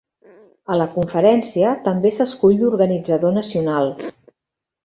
A la conferència també s'escull l'Organitzador Nacional.